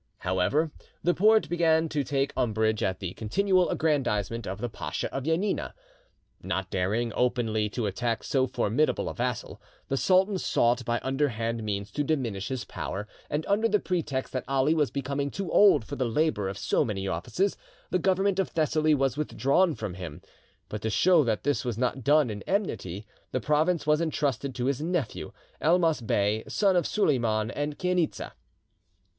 However, the Porte began to take umbrage at the continual aggrandisement of the Pacha of Janina. Not daring openly to attack so formidable a vassal, the sultan sought by underhand means to diminish his power, and under the pretext that Ali was becoming too old for the labour of so many offices, the government of Thessaly was withdrawn from him, but, to show that this was not done in enmity, the province was entrusted to his nephew, Elmas Bey, son of Suleiman and Chainitza.